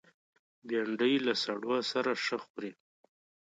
بېنډۍ له سړو سره ښه خوري